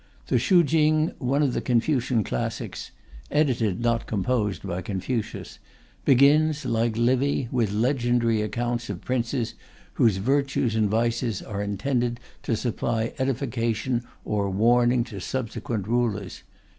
The Shu King, one of the Confucian classics (edited, not composed, by Confucius), begins, like Livy, with legendary accounts of princes whose virtues and vices are intended to supply edification or warning to subsequent rulers.